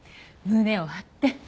胸を張って。